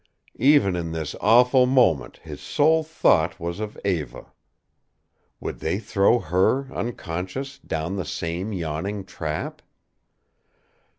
Even in this awful moment his sole thought was of Eva. Would they throw her, unconscious, down the same yawning trap?